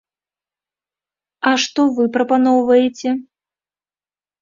А што вы прапаноўваеце?